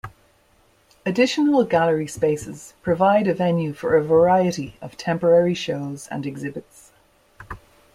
Additional gallery spaces provide a venue for a variety of temporary shows and exhibits.